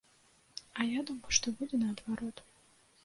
А я думаў, што будзе наадварот.